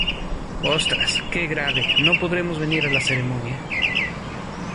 Ostras, qué grave, no podremos venir a la ceremonia.